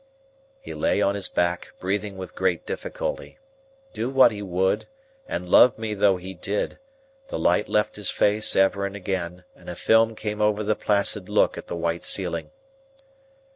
He lay on his back, breathing with great difficulty. Do what he would, and love me though he did, the light left his face ever and again, and a film came over the placid look at the white ceiling.